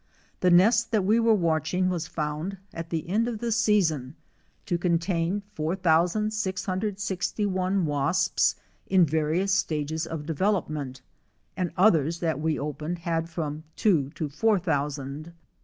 The nest that we were watching was found, at the end of the season, to contain 4661 wasps in various stages of development, and others that we opened had from two to four thousand.